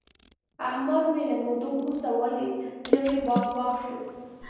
احمد مې له مودو ورسته ولید، زړه مې باغ باغ شو.